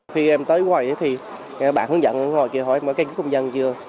khi em tới quầy thì bạn hướng dẫn ngồi kia hỏi mấy cái cứu công dân chưa